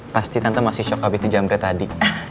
pasti tante masih shock habis itu jam red tadi